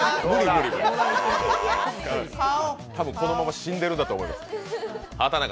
多分このまま死んでるんだと思います。